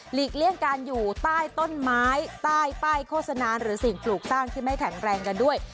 เลี่ยงการอยู่ใต้ต้นไม้ใต้ป้ายโฆษณาหรือสิ่งปลูกสร้างที่ไม่แข็งแรงกันด้วย